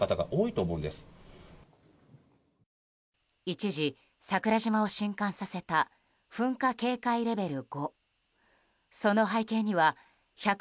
一時、桜島を震撼させた噴火警戒レベル５。